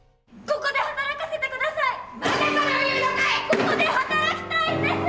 ここで働きたいんです！